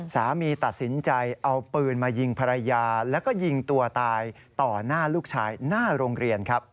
สามีตัดสินใจเอาปืนมายิงภรรยาแล้วก็ยิงตัวตายต่อหน้าลูกชายหน้าโรงเรียนครับ